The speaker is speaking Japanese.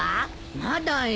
まだよ。